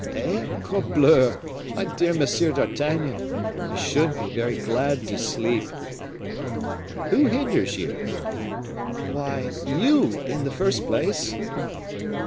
"Eh! corbleu! my dear Monsieur d'Artagnan, I should be very glad to sleep." "Who hinders you?" "Why, you in the first place."